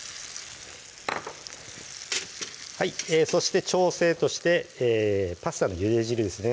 そして調整としてパスタのゆで汁ですね